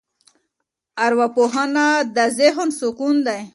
ارواپوهنه د ذهن سکون دی.